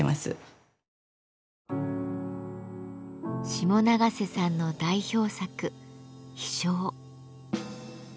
下永瀬さんの代表作「飛翔」。